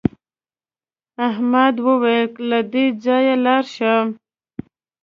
احمد وویل له دې ځایه لاړ شه.